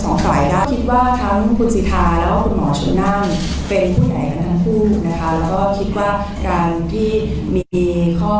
ในการร่วมงานกันต่อไปในหนังตรวจค้า